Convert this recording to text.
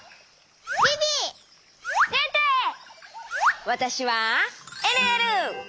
わたしはえるえる！